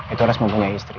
itu harus mempunyai istri